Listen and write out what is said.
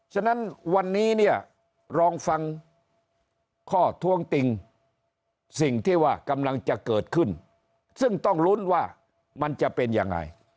ฉะนั้นวันนี้เนี่ยลองฟังข้อท้วงติงสิ่งที่ว่ากำลังจะเกิดขึ้นซึ่งต้องลุ้นว่ามันจะเป็นยังไง